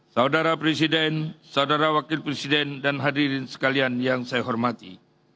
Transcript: saudara presiden saudara wakil presiden dan hadirin sekalian yang saya hormati